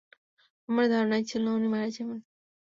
আমার ধারণাই ছিলনা উনি মারা যাবেন।